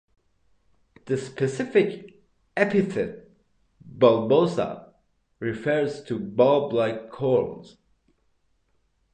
The specific epithet, "bulbosa", refers to the bulb-like corms.